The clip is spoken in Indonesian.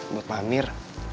buat pak amir